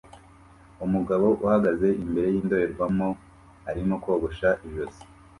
Umugabo uhagaze imbere yindorerwamo arimo kogosha ijosi